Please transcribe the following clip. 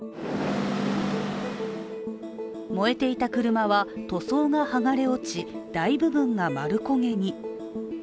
燃えていた車は、塗装が剥がれ落ち大部分が丸焦げに。